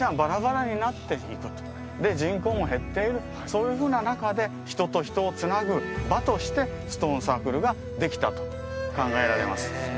そういうふうな中で人と人をつなぐ場としてストーンサークルができたと考えられます